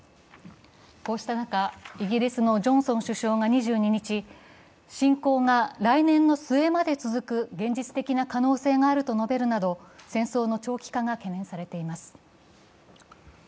こうした中、イギリスのジョンソン首相が２２日、侵攻が来年の末まで続く現実的な可能性があると述べるなど戦争の長期化が懸念されています。